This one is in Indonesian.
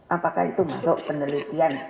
apakah itu masuk penelitian